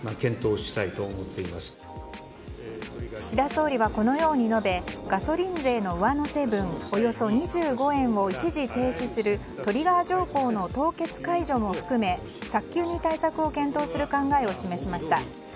岸田総理はこのように述べガソリン税の上乗せ分およそ２５円を一時停止するトリガー条項の凍結解除も含め早急に対策を検討する考えを示しました。